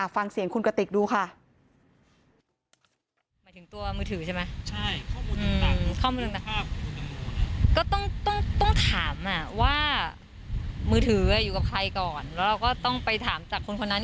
ฟังเสียงคุณกติกดูค่ะ